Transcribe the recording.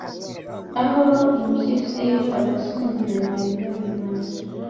Aho impyisi abasangirangendo bimana